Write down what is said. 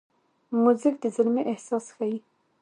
موزیک د زلمي احساس ښيي.